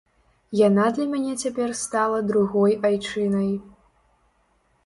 Яна для мяне цяпер стала другой айчынай.